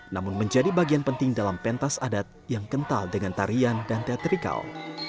namun menjadi bagian penting dalam pentas adat yang kental dengan tarian dan teatrikal